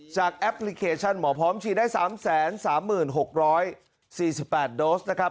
แอปพลิเคชันหมอพร้อมฉีดได้๓๓๖๔๘โดสนะครับ